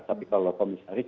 tapi kalau komisaris